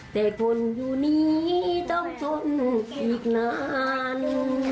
แต่คนอยู่นี้ต้องทนอีกนาน